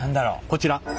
こちら。